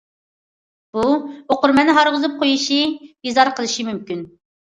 بۇ، ئوقۇرمەننى ھارغۇزۇپ قويۇشى، بىزار قىلىشى مۇمكىن.